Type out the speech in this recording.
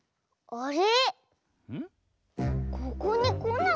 あれ？